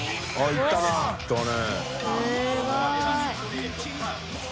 いったね。